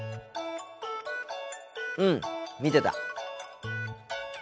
うん見てた。